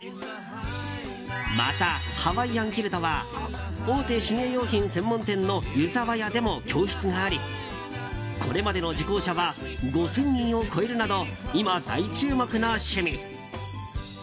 また、ハワイアンキルトは大手手芸用品専門店のユザワヤでも教室がありこれまでの受講者は５０００人を超えるなど今、大注目の趣味。